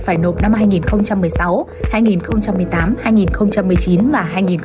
phải nộp năm hai nghìn một mươi sáu hai nghìn một mươi tám hai nghìn một mươi chín và hai nghìn một mươi chín